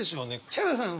ヒャダさんは？